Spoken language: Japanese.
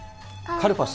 カルパス。